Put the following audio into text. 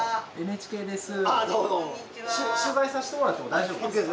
取材さしてもらっても大丈夫ですか？